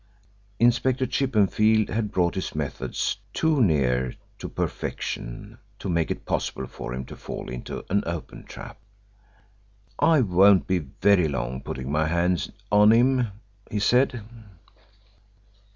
Inspector Chippenfield had brought his methods too near to perfection to make it possible for him to fall into an open trap. "I won't be very long putting my hand on him," he said.